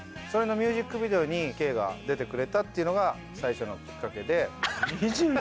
それのミュージックビデオに圭が出てくれたっていうのが最初のきっかけで。